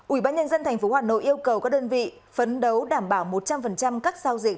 ủy ban nhân dân tp hà nội yêu cầu các đơn vị phấn đấu đảm bảo một trăm linh các giao dịch